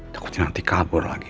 takut nanti kabur lagi